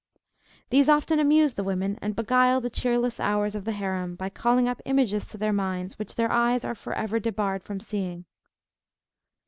These often amuse the women, and beguile the cheerless hours of the harem, by calling up images to their minds which their eyes are forever debarred from seeing.